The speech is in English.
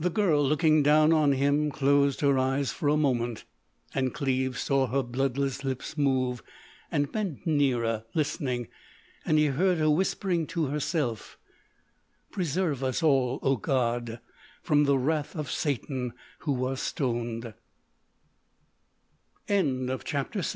The girl looking down on him closed her eyes for a moment, and Cleves saw her bloodless lips move, and bent nearer, listening. And he heard her whispering to herself: "Preserve us all, O God, from the wrath of Satan who was stoned." CHAPTER VII THE